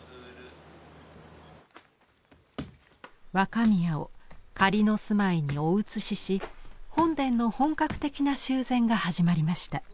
若宮を仮の住まいにお移しし本殿の本格的な修繕が始まりました。